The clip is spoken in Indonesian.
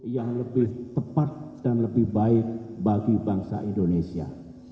yang lebih tepat dan lebih baik bagi bangsa indonesia